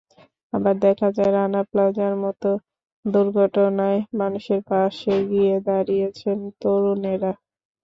আবার দেখা যায়, রানা প্লাজার মতো দুর্ঘটনায় মানুষের পাশে গিয়ে দাঁড়িয়েছেন তরুণেরা।